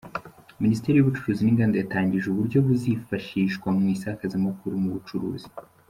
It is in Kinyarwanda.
Minisiteri y’Ubucuruzi n’Inganda yatangije uburyo buzifashishwa mu isakazamakuru mu bucuruzi